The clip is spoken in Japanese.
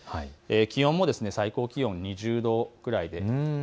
気温も最高気温、２０度くらいです。